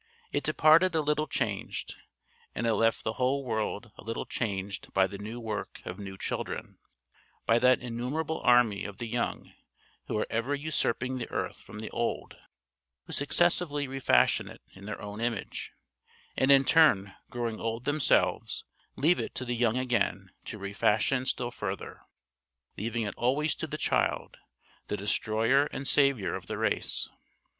It departed a little changed, and it left the whole world a little changed by the new work of new children by that innumerable army of the young who are ever usurping the earth from the old; who successively refashion it in their own image, and in turn growing old themselves leave it to the young again to refashion still further: leaving it always to the child, the destroyer and saviour of the race.